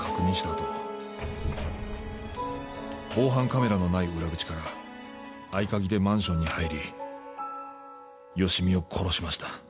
あと防犯カメラのない裏口から合鍵でマンションに入り芳美を殺しました。